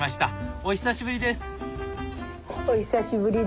お久しぶりです。